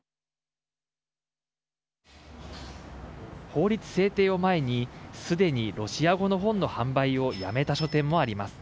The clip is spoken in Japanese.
法律制定を前にすでにロシア語の本の販売をやめた書店もあります。